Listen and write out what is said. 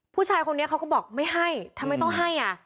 ผู้ชายคนนี้เขาก็บอกไม่ให้ทำไมต้องให้อ่ะ